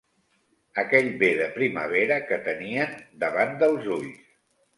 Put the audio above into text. Aquell bé de primavera que tenien davant dels ulls.